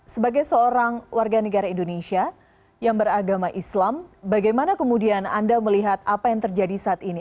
sebagai seorang warga negara indonesia yang beragama islam bagaimana kemudian anda melihat apa yang terjadi saat ini